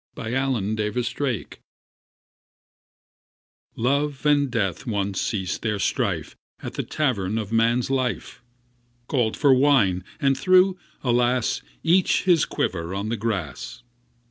THE EXPLANATION Love and Death once ceased their strife At the Tavern of Man's Life. Called for wine, and threw — alas! — Each his quiver on the grass.